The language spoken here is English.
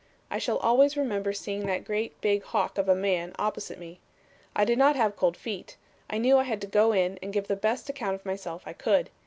I shall always remember seeing that great big hawk of a man opposite me. I did not have cold feet. I knew I had to go in and give the best account of myself I could.